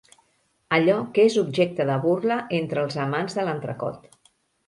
Allò que és objecte de burla entre els amants de l'entrecot.